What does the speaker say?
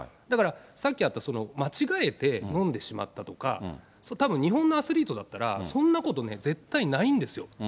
だから、さっきあった間違えて飲んでしまったとか、多分、日本のアスリートだったら、そんなことね、絶対ないんですよ。